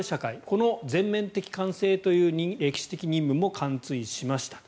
この全面的完成という歴史的任務も完遂しました。